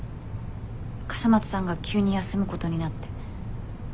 笠松さんが急に休むことになって。